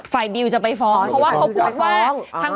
บิวจะไปฟ้องเพราะว่าเขาพูดว่า